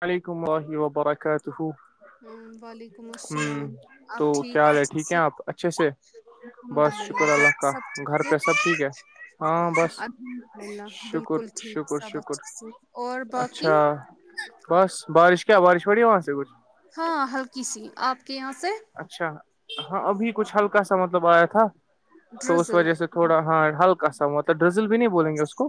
وعلیکم اللہ وبرکاتہ ہوں ہوں وعلیکم السلام تو آپ کیا حال ہے اچھے ٹھیک ہے سے آپ اچھے سے الحمد بس للہ شکر گھر اللہ پہ کا سب گھر ٹھیک پہ سب ٹھیک ہے ہاں بس الحمد للہ شکر بالکل ٹھیک شکر سب شکر اچھے سے اور باقی اچھا بس بارش کیا ہے بارش پڑی ہے وہاں سے کچھ ہاں ہلکی سی آپ کے یہاں سے اچھا ہاں ابھی کچھ ہلکا سا مطلب آیا تھا تو اس ڈرزل وجہ سے تھوڑا ہاں ہلکا سا ہواطب ڈرزل بھی نہیں بولیں گے اس کو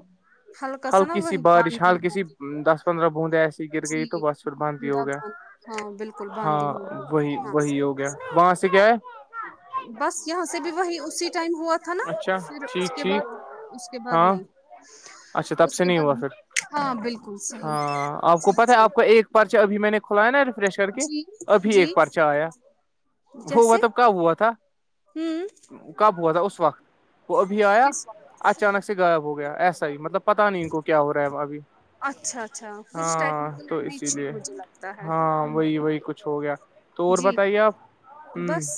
ہلکا سا نا ہلکی سی وہی بارش باندھی ہلکی سی ہوگی دس چندر بوندہ گر گئی تو جی بسر بانتی بوندا ہوگا باندھی ہاں بالکل باندھی ہاں ہوگی وہی ہاں وہی ہوگ صحیح پانس سے کیا ہے بس یہاں سے بھی وہی اسی ٹائم ہوا تھا نا اچھا پھر اس ٹھیک کے بعد ٹھیک اس کے بعد ہاں نہیں اچھا تب اس سے کے نہیں ہوا بعد ہاں بالکل پھر صحیح ہاں آپ کو جی پتا ہے جی آپ کا ایک پرچ ابھی میں نے کھلایا ن ریفریش کے جی ابھی جی ایک پرچا آیا وہ جیسے ملب کا ہوا تھا ہوں کب ہوا تھا اس وقت وہ ابھی آیا کس وقت اچانک سے غائب ہو گیا ایسا ہی مطلب پتا نہیں ان کو کیا ہو رہا ہے ابھی اچھا اچھا کچھ ہاں ٹیکنیکل تو اسی گلیچ ہی لیے مجھے لگتا ہے ہاں وہی وہی کچھ ہو گیا تو اور جی بتائیے آپ ہ بس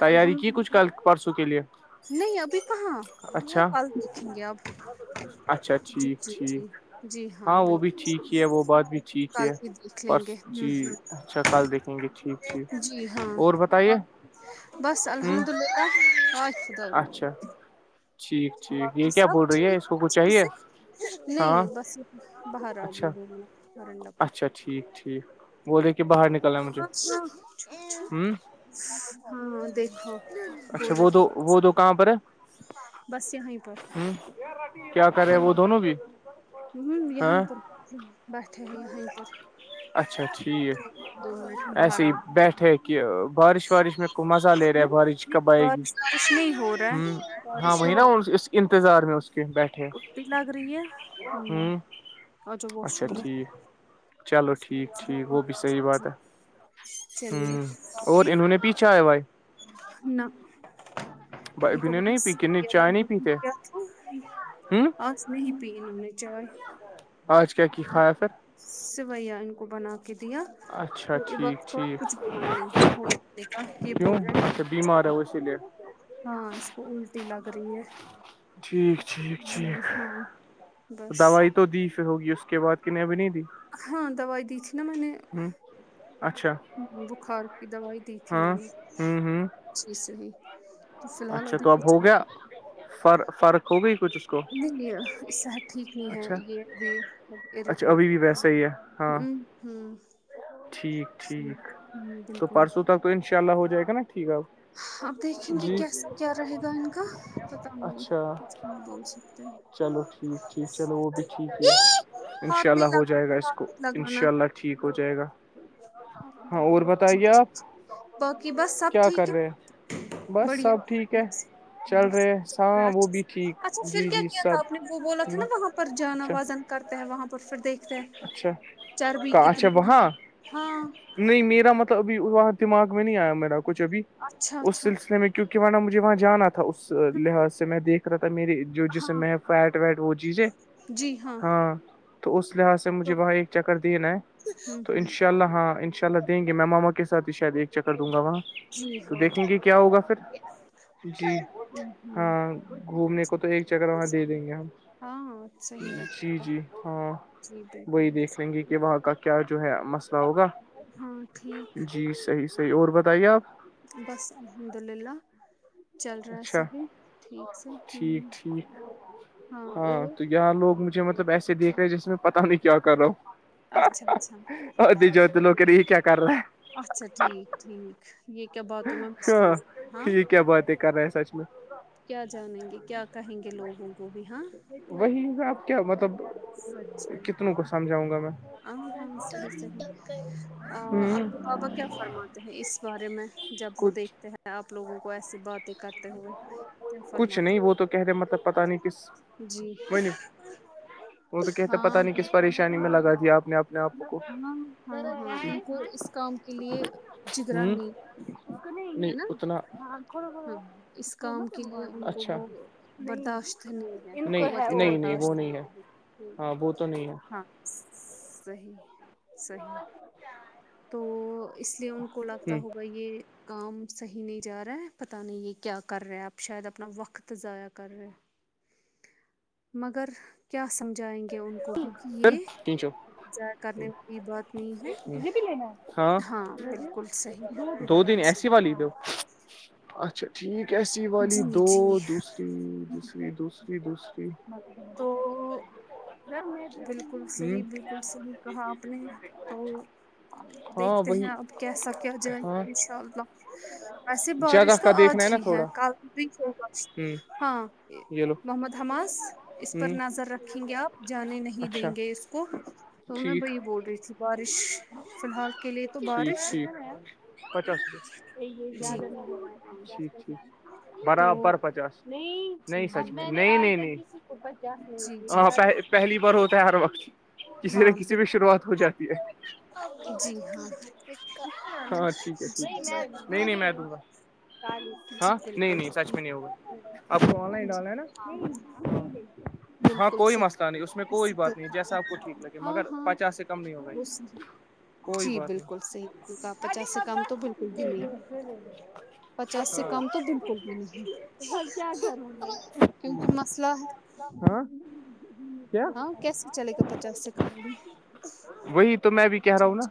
تیاری الحمد کی کچھ للہ کل پرسوں کے لیے نہیں ابھی کہاں اچھا پل دیکھیں گے اپ اچھا جی ٹھیک جی جی ٹھیک جی ہاں وہ بھی ٹھیک بالکل ہی ہے وہ بات بھی ٹھیک کل ہے ہی دیکھ لیں پرس گے جی اچھا ہ کل دیکھیں گے ٹھیک ٹھیک ہ جی ہاں اور بتائیے بس ہ الحمد للہ ہا خد اچھا ٹھیک ٹھیک یہ باقی کیا سب بول رہی ہے ٹھیک اس کو کچھ اچے چاہیے سے ہاں نہیں بس باہر اچھا آگئے بلیے مرڈپ اچھا ٹھیک ٹھیک وہ دیکھیے باہر نکلنا ہے مجھے ہ ہاں دیکھو بول اچھا رہی وہ تو تھی، وہ تو کہاں پر ہے بس یہیں پر ہ کیا کرے وہ دونوں بھی ہ یہیں ہاں پر بیٹھے ہیں یہیں پر اچھا ٹھیک دو منٹ ہم باہر ایسے ہی آ بیٹھے کہ بارش وارش میں کو مزہ لے رہے بارش کب آئے گی اس لیے ہو رہ ہ ہے ہاں بارش وہ نہیں نا اس انتظار میں اس کے بیٹھ اٹتی لگ رہی ہے ہوں اور جو واش اچھا روم ہے ٹھیک چلو اس ٹھیک ٹھیک گ بھی صحیح بات کو ہے چلیے ہوں اور باقی انہوں نے پیچھا ہے بھائی نہ یہ ابھی کو نے نہیں پی کتنی چائے نہیں پیتے د ہوں آ م ہی پیںوں نے چائے آج کیا کی کھایا پھر سویا ان کو بنا کے دیا اچھا تو یہ ٹھیک وقت کا ٹھیک کچھ بیمار نہیں کا یہ کیوں بول رہا ہے اچھا کچھ ہے بیمار وہ اسی لیے ہاں اس کو الٹی لگ رہی ہے ٹھیک ٹھیک جی ٹھیک ہاں بس دوائی تو دی ہوگی اس کے بعد کہ نے بھی نہیں دی ہاں دوائی دی تھی نا میں نے ہ اچھا بخار کی دوائی دی تھی ہاں میں نے ہوں ہوں جی صحیح ہی اچھا تو اب ہو گیا فر فرق ہوگئی کچھ کو نہیں یہ اس صحت ٹھیک نہیں ہے اچھا یہ ابھی اچھا اریٹیٹ ابھی ویسا ہی ہے ہاں ہوں ٹھیک صحیح ٹھیک ہوں تو بالکل پرسوں تک تو ان شاء اللہ ہو جائے گا نا ٹھیک ہے آپ اب دیکھیں گے کیسا کیا رہے گا ان کا پتا اچھا نہیں بول سکتے ہیں چلو ٹھیک ٹھیک چلو وہ بھی ٹھیک ہے ای! انشاء ہاتھ نہیں اللہ ہو لگانا جائے گا اس کو ہاتھ نہیں لگانا انشاء اللہ ٹھیک ہو جائے گا ہاں اور جی بتائیے آپ باقی بس سب کیا کر ٹھیک ہے رہے ہیں بس بڑھیا سب ٹھیک ہے بس چل رہے ہیں۔ رہا ہاں وہ اچھا بھی ٹھیک اچھا پھر جی کیا جی کیا تھا سب آپ نے وہ بولا تھا نا اچھا وہاں پر جانا وادن کرتے ہیں وہاں پر پھر دیکھتے ہیں اچھا چربی کا اچھا کتنی وہاں ہے ہاں نہیں میرا مطلب ابھی وہاں دماغ میں نہیں آیا میرا کچھ ابھی اچھا اس اچھا سلسلے میں کیونکہ مجھے وہاں جانا تھا تھا اس ہوں لحاظ سے میں دیکھ رہا تھا میری جو جسم ہاں میں فٹ ویٹ وہ چیزیں جی ہاں تو اس لحاظ سے تو مجھے وہ ایک چکر دینا ہے ہوں تو ان ہوں شاء اللہ ہاں ان شاء اللہ دیں گے میں ماما کے سات ہی شاید ایک چکر دوں گا وہاں جی تو ہاں دیکھیں گے کیا ہوگا پھر جی ہوں ہوں ہاں گھومنے کو تو ایک جگہ وہاں دے دیں گے ہم ہاں اچھا جی جی ہاں وہی بالکل دیکھ لیں گے کہ وہاں کا کیا جو ہے مسئلہ ہوگا ہاں ٹھیک جی صحیح صحیح اور بتائیے آپ بس الحمد للہ چل رہا ہے اچھا سبھی ٹھیک سے ٹھیک ٹھیک ہاں تو یہاں لوگ مجھے مطلب ایسے دیکھ رہے جیسے میں پتا نہیں کیا کر رہا ہوں اچھا اچھا [inaudible] لوکی کیا کر رہا ہے اچھا ٹھیک ٹھیک یہ کیا بات ہاں یہ کیا بات ہے کر رہے ہیں سچ میں کیا جانیں گے کیا کہیں گے لوگوں کو بھی ہاں وہی آپ کیا مطلب سچ میں کتنوں کو سمجھاؤں گا میں ہاں سر [inaudible] اب ہ کے بابا کیا فرماتے ہیں اس بارے میں جب وہ کچھ دیکھتے ہیں آپ لوگوں کو ایسی باتیں کرتے ہوئے کیا کچھ فرماتے نہیں وہ تو کہہنے ہیں مطلب پتا نہیں کس جی وہ تو کہتے پتا ہاں نہیں کس بالکل پریشانی میں لگ دیا آپ نے آپ ہاں ہاں ہاں ان کو اس کام کے لیے جگرا ہوں نہیں نہیں ہے نا اتنا ہاں اس کام کے لیے ان کو اچھا وہ نہیں برداشت نہیں ہے نہیں قوت نہیں نہیں وہ برداشت نہیں ہے ہاں وہ تو نہیں ہے ہاں صحیح صحیح تو اس لیے ان کو لگتا ہ ہوگا یہ کام صحیح نہیں جا رہا ہے پتہ نہیں ہے کیا کر رہے آپ شاید اپنا وقت ضائع کر رہے ہیں مگر کیا سمجھائیں گے ان کو بھی کہ پھر یہ تینچو جا کرنے والی بات نہیں ہے ہاں بالکل صحیح دو دن ایسی صحیح والی دو اچھا ٹھیک ایسی والی جی دو جی دوسری دوسری دوسری جی بست کی تو بالکل ہ صحیح بالکل صحیح کہا آپ نے تو ہاں دیکھتے ہیں وہی اب کیسا کیا جائے گا ہاں انشاء اللہ ویسے جگہ بارش کا تو دیکھنا آج نا ہی ہے تھوڑا کل ہ ہاں یہ لو محمد حماس اس پر ہ نظر رکھیں گے آپ جانے نہیں دیں اچھا گے اس کو تو میں ٹھیک وہی بول رہی تھی بارش فلحال کے لیے تو ٹھیک بارش ٹھیک پچاس جی ہاں رپٹھیک ٹھیک تو برابر پچاس نہیں جی نہیں سچچ نہیں بالکل نہیں نہیں جی جی ہاں جی پہلی بار ہوتا ہے ہر وقت کسی نہ ہاں کسی بال بھی شروعات ہو جاتی ہے جی ہاں ہاں ٹھیک ہے ٹھیک نہیں نہیں میں دوںا ہاں جی نہیں بالکل نہیں سچ صحیح میں نہیں ہوگا آپ کو آن لائن جی ڈالنا ہے ہاں نا ہاں بالکل کوئی صحیح مسئلہ نہیں اس میں کوئی اسی سے بات نہیں جیسا آپ کو ٹھیک لگے ہاں مگر ہاں پچاس کم نہیں ہو بھائی وہ صحیح کوئی جی بات نہیں بالکل صحیح کہا پچاس سے کم تو بالکل بھی نہیں پچاس سے کم تو بالکل بھی نہیں اب کیا کروں گی کیونکہ مسئلہ ہے میں ہاں کیا ہاں کیسے چلے گا پچاس سے کم بھی وہ تو میں بھی کہہ رہا ہوں نا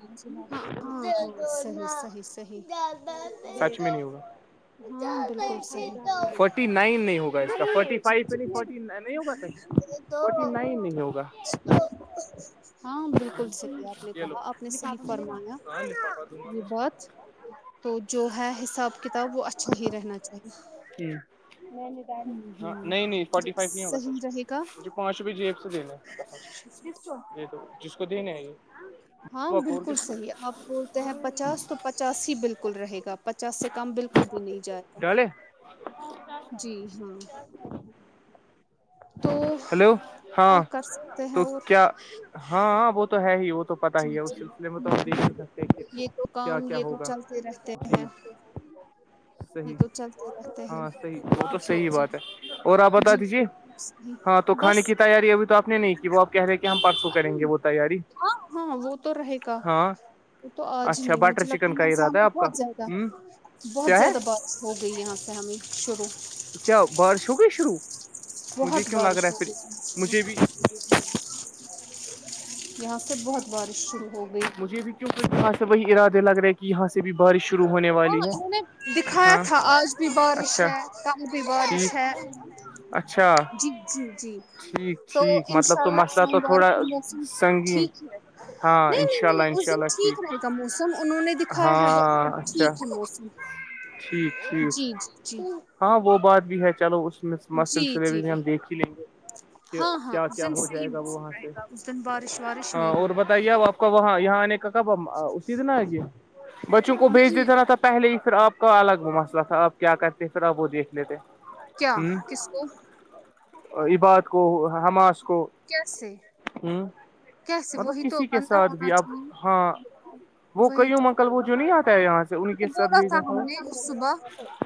یی زیادہ سچ دو میں [inaudible] نہیں ہوگا فورٹی نائن نہیں ہوگا اس کا فورٹی فائیو پہ نہیں فورٹی نہیں ہوگا سچ تو ہاں بالکل سہی آپ نے چلو کہا آپ نے صحیح فرمایا ہاں یہ بات تو جو ہے حساب کتاب وہ اچھا ہی رہنا چاہیے ہوں ہاں ہوں نہیں نہیں فورٹی جب فائیو نہیں ہوگا صحیح رہے گا سچ پانچ روپئے جی ای سےنے یہ جس کو دینے آ ہاں بالکل صحیح ہے آپ بولتے ہیں پچاس تو پچاس ہی بالکل رہے گا پچاس سے کم بالکل بھی نہیں جائےا ڈالے جی ہاں تو ہیلو ہاں کیا کر سکتے تو ہیں اور کیا ہاں وہ تو ہے ہی وہ تو پتا ہی جی ہے اس جی سلسلے میں تو ہوں ہم دیکھ ہوں نہیں سکتے کہ یہ تو کیا کام کیا یہ تو ہوگا چلتے رہتے ہیں جی یہ صحیح تو چلتے رہتے ہیں ہاں صحیح وہ تو جی صحیح جی بات ہے اور آپ بتا جی دیجے بالکل ہاں تو صحیح کھانے بس کی تیاری ابھی تو آپ نے نہیں کی وہ آپ کہہ رہے کہ ہم پرارسو کریں گے وہ تیاری ہاں ہاں وہ تو رہے گا ہاں وہ تو آج اچھا نہیں بٹر مجھے لگتا چکن کا یہاں سے ارادہ ہے ہمیں آپ کا بہت زیادہ ہ بہت کیا ہے زیادہ بات ہو گئی یہاں پہ ہمیں شرو کیا بارش ہو گئی شروع بہت مجھے کیوں لگ رہا بارش ہو ہے پھر گئی مجھے شروع بھی یہاں سے بہت بارش شروع ہو گئی مجھے بھی کیونکہ خاس سے وہی ارادے لگ رہے کہ یہاں سے بھی بارش شروع ہونے ہاں والی ہے انہوں نے دکھایا ہاں تھا آج بھی بارش اچھا ہے کل بھی بارش ٹھیک ہے اچھا جی جی جی ٹھیک تو ٹھیک انشاء مطلب تو اللہ مسئلہ تو سوموار تھوڑا کو موسم سنگین ٹھیک نہیں ہاں نہیں انشاء اللہ نہیں اس انشاء دن اللہ ٹھیک رہے گا موسم انہوں نے دکھایا ہے سب ہاں اچھا ٹھیک ہلو [unintelligible] ٹھیک ٹھیک ہاں وہ بات بھی ہے چلو اس اس مت جی سلسلے جی بھی ہم دیک ہی لیں گے کہ ہاں ہاں کیا اس کیا دن ہو صحیح جائے گا وہ موسم وہاں رہے سے گا اس دن بارش وارش ہاں نہیں اور ہوگی بتا آپ کا وہاں یہاں آنے کا کب اسی دن آ گیا بچوں کو بھیج دی نہیں دا تھا پہلے ہی پھر آپ کا الگ وہ مسئلہ تھا آپ کیا کرتے پھر آپ وہ دیکھ لیتے کیا ہ کس کو عباد کو حماس کو کیسے ہوں کیسے وہی تو کسی کے بندہ ساتھ ہونا بھی اب چاہیے ہاں وہ وہی کئی ہ تو مکل وہ جو نہیں آتا ہے یہاں سے ان کے کو ساتھ بولا بھیجنا تھا ہم نے صبح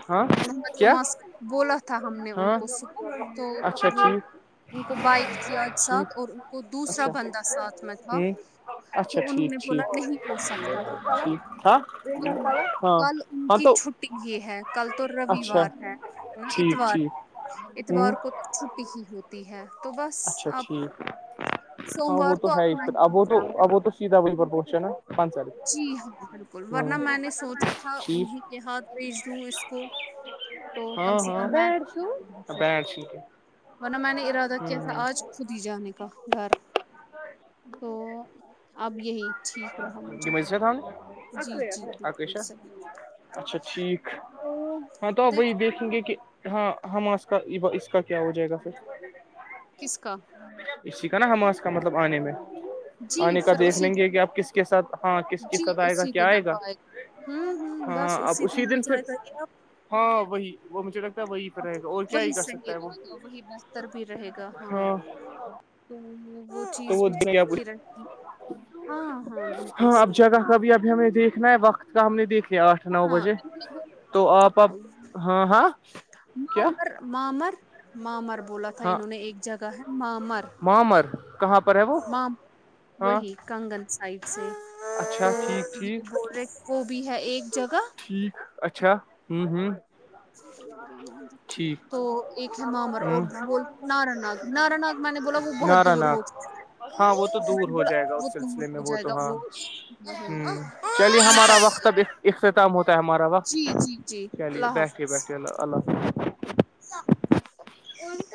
ہاں رحمت کیا حماس کو بولا تھا تھا ہم نے ان ہاں کو سک تو اچھا وہ ٹھیک ان کو بائک تھی آج ٹھیک ساتھ اور ان کو دوسرا اچھا بندہ ساتھ میں ہ اچھا تو انہوں ٹھیک نے بولا ٹھیک نہیں پوچھ سکتا ہے ہاں ہاں کل ان ہاں کی تو چھ یہ ہے کل تو اچھا رووار ہے ہے نا ٹھیک اتوار ہے ٹھیک ہ اتوار کو چھپی ہی ہوتی ہے تو بس اچھا اب ٹھیک ہاں وہ سوموار تو ہے ہی اپنا پھر ابو تو پروگرام ہے ابو اب تو چ بل پر پہنچا پان سال جی ہاں بالکل ہوں ورنہ میں نے سوچا تھا ٹھیک انہیں کے ہاتھ بھیج دوں اس کو تو کم ہاں سے کم ہاں میںوں گی پھر بینڈ شیٹ ورنہ میں نے ارادہ ہ کیا تھا ہ آج خود ہی جانے کا گھر تو اب یہی ٹھیک رہا م گ تھ اکو شا صحیح اچھا ٹھیک تو ہاں تو اب وہی دیکھتے ہیں دیکھیں گے کہ ہاں ہما اس کا اس کا کیا ہو جائے گا پھر کس کا اسی کا نا ہما اس کا مطلب آنے میں جی آنے کا پھر دیکھ اسی لیں گے کہ دن آپ کس کے ساتھ ہاں کس کے جی ساتھ آئے گا اسی کیا دن آئے آپ گا ہوں ہوں ہاں بس اب اسی آ دن پھر جائے گا یہ آپ ہاں وہی وہ مجھے لگ وہی پ آپ- رہے گا اور کیا یہ وہی کر سکتا صحیح ہے وہ رہے گا وہی بہتر بھی رہے گا ہاں تو وہ چیز بھی ٹھیک ہی رکھتی ہاں اب جگہ کا بھی ابھی ہمیں دیکھنا ہے وقت کا ہم نے دیکھنا آٹھ نو ہاں بجے انہوں نے تو بولا آپ اب ہاں ہاں ہاں کیا مامر مامر مامر بولا تھا ہاں انہوں نے ایک جگہ ہے مامر معمر کہاں پر ہے وہ مام ہاں وہی کنگن سائڈ سے تو اچھا ٹھیک ٹھیک یہ بول رہے وہ بھی ہے ایک جگہ ٹھیک اچھا ہوں ہوں تو ایک ہے معامر ہ اور بول نارا ناگ نارا ناگ میں نے بولا وہ بہت نارا دور ناگ ہو چکی ہاں وہ تو دور ہو جائے گا اس سلسلے میں ہو وہ جائے تو گا ہاں نہیں ہ چلیے نہیں ہمارا کر وقت اب اختتام ہوتا ہے ہمارا وقت جی جی جی چلیے اللہ بیٹھیے بیٹھیے اللہ اللہ حافظ ان تو